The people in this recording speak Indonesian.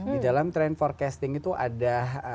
di dalam trend forecasting itu ada